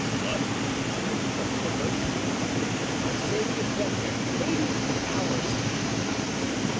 "What?" said Porthos. "I say we have been here eighty three hours."